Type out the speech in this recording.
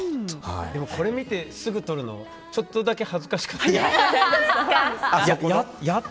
でも、これを見てすぐ撮るのちょっとだけ恥ずかしくない？